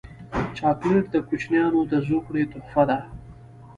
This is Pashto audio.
چاکلېټ د کوچنیانو د زوکړې تحفه ده.